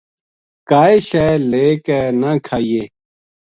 کائے شے لے کے نہ کھانیے